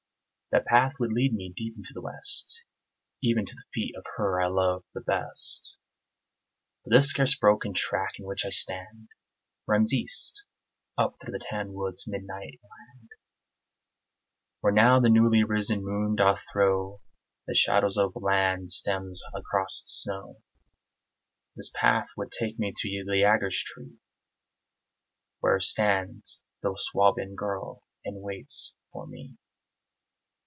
That path would lead me deep into the west, Even to the feet of her I love the best. But this scarce broken track in which I stand Runs east, up through the tan wood's midnight land; Where now the newly risen moon doth throw The shadows of long stems across the snow. This path would take me to the Jäger's Tree Where stands the Swabian girl and waits for me.